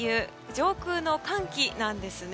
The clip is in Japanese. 上空の寒気なんですね。